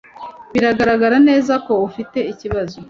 Biragaragara neza ko afite ikibazo.